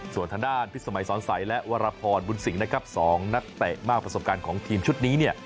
ส่วนทางด้านพิษสมัยสอนใสและวรพรบุญสิงห์นะครับ๒นักเตะมากประสบการณ์ของทีมชุดนี้เนี่ย